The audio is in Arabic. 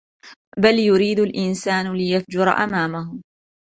بل يريد الإنسان ليفجر أمامه